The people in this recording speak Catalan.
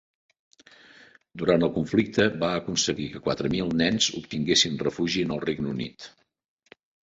Durant el conflicte va aconseguir que quatre mil nens obtinguessin refugi en el Regne Unit.